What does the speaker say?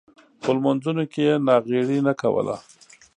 خو لمونځونو کې یې ناغېړي نه کوله.